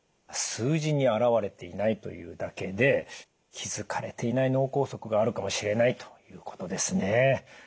数字に表れていないというだけで気付かれていない脳梗塞があるかもしれないということですね。